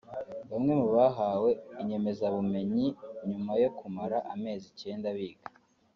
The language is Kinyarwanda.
Bamwe mu bahawe inyemezabumenyi nyuma yo kumara amezi icyenda biga